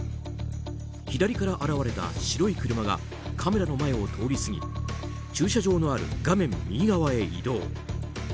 左から現れた白い車がカメラの前を通り過ぎ駐車場のある画面右側へ移動。